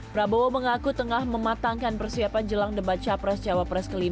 prabowo mengaku tengah mematangkan persiapan jelang debat capres cawapres ke lima